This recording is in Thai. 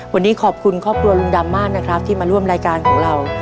วันนี้ขอบคุณครอบครัวลุงดำมากนะครับที่มาร่วมรายการของเรา